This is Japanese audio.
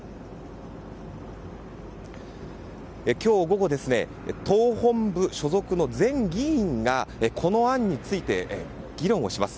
今日午後党本部所属の全議員がこの案について議論をします。